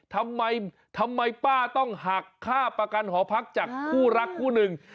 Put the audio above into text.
ทำไมทำไมป้าต้องหักค่าประกันหอพักจากคู่รักคู่หนึ่ง